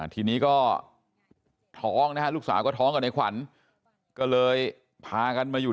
ทีนี้ก็ท้องนะฮะลูกสาวก็ท้องกับในขวัญก็เลยพากันมาอยู่